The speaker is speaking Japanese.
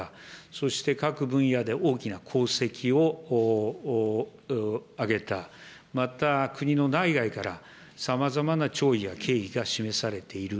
そして各分野で大きな功績を上げた、また、国の内外からさまざまな弔意や敬意が示されている。